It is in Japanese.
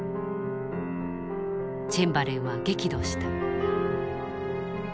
チェンバレンは激怒した。